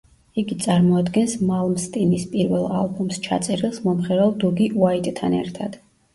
იგი წარმოადგენს მალმსტინის პირველ ალბომს ჩაწერილს მომღერალ დუგი უაიტთან ერთად.